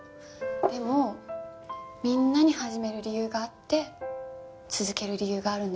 でもみんなに始める理由があって続ける理由があるんですもんね。